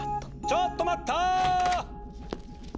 ・ちょっと待った！